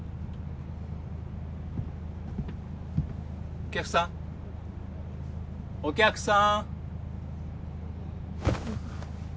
お客さんお客さん！